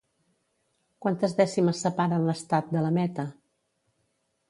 Quantes dècimes separen l'Estat de la meta?